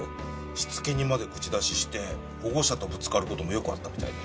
しつけにまで口出しして保護者とぶつかる事もよくあったみたいで。